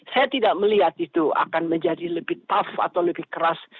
saya tidak melihat itu akan menjadi lebih tough atau lebih keras